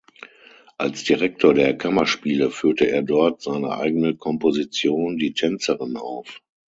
Als Direktor der Kammerspiele führte er dort seine eigene Komposition "Die Tänzerin" auf.